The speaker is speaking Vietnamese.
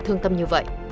thương tâm như vậy